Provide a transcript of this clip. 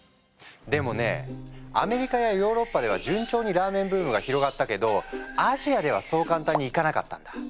でもねアメリカやヨーロッパでは順調にラーメンブームが広がったけどアジアではそう簡単にいかなかったんだ。